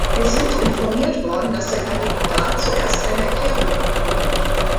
Wir sind informiert worden, dass der Kandidat zuerst eine Erklärung abgeben möchte.